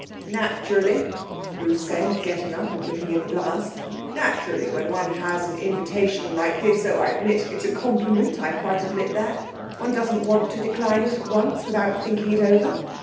'Naturally,' Bruce said, getting up and looking in the glass; 'naturally, when one has an invitation like this oh, I admit it's a compliment I quite admit that one doesn't want to decline it at once without thinking it over.